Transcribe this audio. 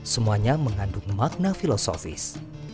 semuanya mengandung makna filosofis